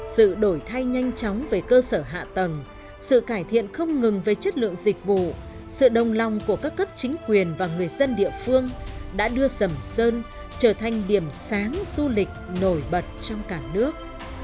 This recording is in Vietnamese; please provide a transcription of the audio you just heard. sự đổi thay nhanh chóng về cơ sở hạ tầng sự cải thiện không ngừng về chất lượng dịch vụ sự đồng lòng của các cấp chính quyền và người dân địa phương đã đưa sầm sơn trở thành điểm sáng du lịch nổi bật trong cả nước